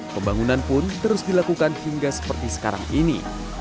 pembangunan pun terus dilakukan hingga seperti sekarang ini